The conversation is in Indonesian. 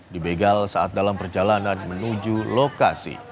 dibegal saat dalam perjalanan menuju lokasi